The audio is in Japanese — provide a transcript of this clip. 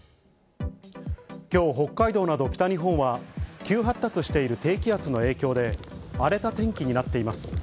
きょう、北海道など北日本は、急発達している低気圧の影響で、荒れた天気になっています。